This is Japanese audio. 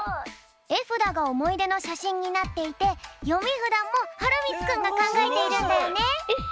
えふだがおもいでのしゃしんになっていてよみふだもはるみつくんがかんがえているんだよね。